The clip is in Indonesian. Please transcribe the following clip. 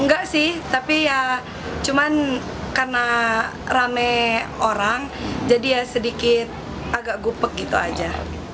enggak sih tapi ya cuma karena rame orang jadi ya sedikit agak gupek gitu aja